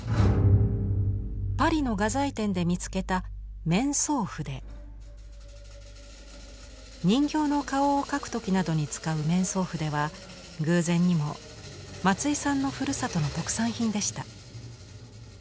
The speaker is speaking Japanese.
パリの画材店で見つけた人形の顔を描く時などに使う面相筆は偶然にも松井さんのふるさとの特産品でした。